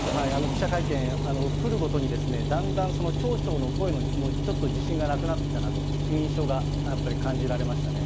記者会見、振るごとにだんだんその町長の声もちょっと自信がなくなってきたなという印象がやっぱり感じられましたね。